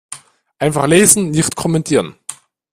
Einfach lesen, nicht kommentieren.